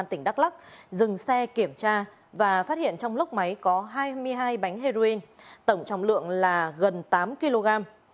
công an tỉnh đắk lắk dừng xe kiểm tra và phát hiện trong lốc máy có hai mươi hai bánh heroin tổng trọng lượng là gần tám kg